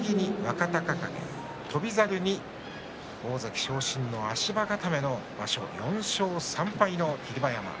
翔猿に大関昇進の足場固めの場所４勝３敗の霧馬山。